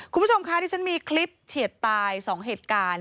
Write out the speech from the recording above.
คุณผู้ชมคะที่ฉันมีคลิปเฉียดตาย๒เหตุการณ์